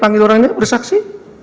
panggil orangnya bersaksi